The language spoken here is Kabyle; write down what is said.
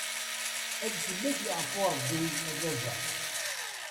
Ad fell-ak yeɛfu rebbi a baba.